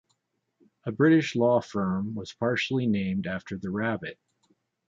A British law firm was partially named after the rabbit.